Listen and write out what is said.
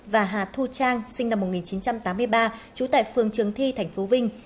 và hà thu trang sinh năm một nghìn chín trăm tám mươi ba trú tại phường trường thi tp vinh